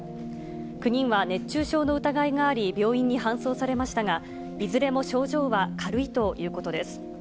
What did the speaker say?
９人は熱中症の疑いがあり、病院に搬送されましたが、いずれも症状は軽いということです。